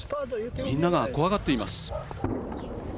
みんなが怖がっています。